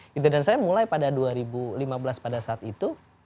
gitu dan saya mulai pada dua ribu lima belas pada saat itu